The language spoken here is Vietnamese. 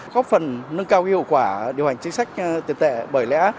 góp phần nâng cao hiệu quả điều hành chính sách tiền tệ bởi lẽ